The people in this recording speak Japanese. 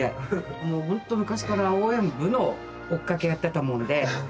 もう本当昔から応援部の追っかけやってたもんで。